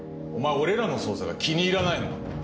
俺らの捜査が気に入らないのか？